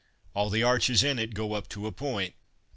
All the arches in it go up to a point.